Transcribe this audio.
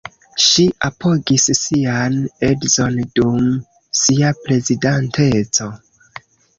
Ŝi apogis sian edzon dum sia prezidanteco.